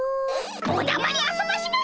おだまりあそばしませ！